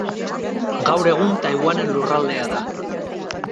Gaur egun Taiwanen lurraldea da.